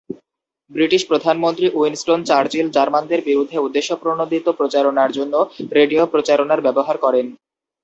British প্রধানমন্ত্রী Winston Churchill জার্মানদের বিরুদ্ধে উদ্দেশ্যপ্রণোদিত প্রচারণার জন্য রেডিও প্রচারণার ব্যবহার করেন।